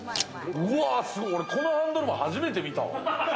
俺も、このハンドルも、初めて見た！